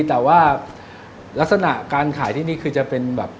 แต่ว่าลักษณะการขายที่นี่คือจะเป็นแบบ